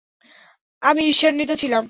আমি ঈর্ষান্বিত ছিলাম!